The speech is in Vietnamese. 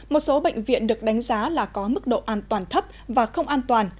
một số bệnh viện được đánh giá là có mức độ an toàn thấp và không an toàn